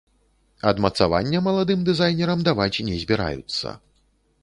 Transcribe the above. Адмацавання маладым дызайнерам даваць не збіраюцца.